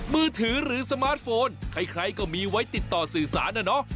มือถือหรือสมาร์ทโฟนใครก็มีไว้ติดต่อสื่อสารนะเนาะ